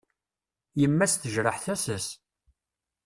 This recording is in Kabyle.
Yemma-s tejreḥ tasa-s.